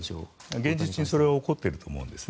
現実にそれが起こっていると思うんですね。